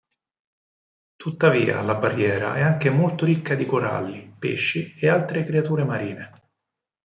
Tuttavia la barriera è anche molto ricca di coralli, pesci e altre creature marine.